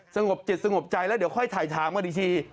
สงบจิตสงบใจแล้วเดี๋ยวค่อยถ่ายถามกันอีกที